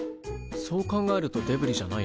そう考えるとデブリじゃないな。